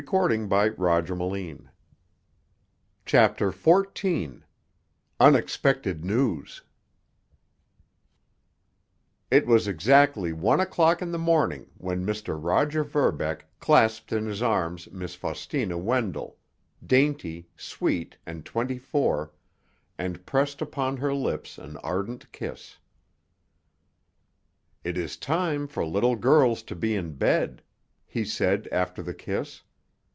Great little man—Muggs!" CHAPTER XIV—UNEXPECTED NEWS It was exactly one o'clock in the morning when Mr. Roger Verbeck clasped in his arms Miss Faustina Wendell—dainty, sweet, and twenty four—and pressed upon her lips an ardent kiss. "It is time for little girls to be in bed," he said after the kiss.